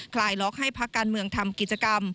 คลายล็อกให้พักการเมืองทำกิจกรรม